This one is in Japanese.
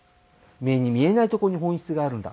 目に見えないとこに本質があるんだ。